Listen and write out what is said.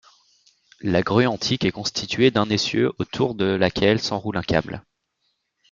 La grue antique est constituée d'un essieu autour de laquelle s'enroule un câble.